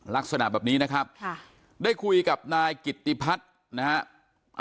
ลักษณะแบบนี้นะครับได้คุยกับนายกิตติพัฒน์นะฮะ